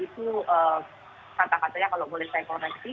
itu kata katanya kalau boleh saya koreksi